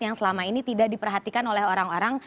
yang selama ini tidak diperhatikan oleh orang orang